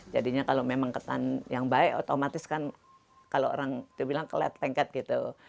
jadinya kalau memang kesan yang baik otomatis kan kalau orang itu bilang kelet lengket gitu